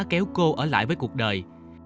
kéo cô ở lại với cuộc đời